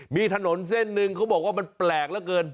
มีถนนเส้นหนึ่งเขาบอกว่ามันแปลกเหลือเกิน